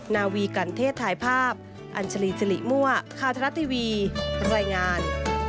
นาวีกัณฑ์เทศถ่ายภาพอัญชลีจิลิม่วะคทรัพย์ทีวีรายงาน